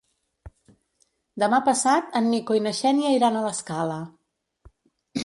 Demà passat en Nico i na Xènia iran a l'Escala.